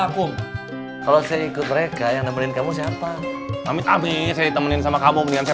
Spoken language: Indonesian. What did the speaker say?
aku kalau saya ikut mereka yang nempelin kamu siapa amit abis saya ditemenin sama kamu mendingan saya